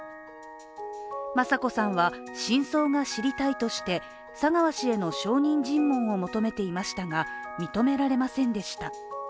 雅子さんは真相が知りたいとして、佐川氏への証人尋問を求めていましたが、認められませんでした。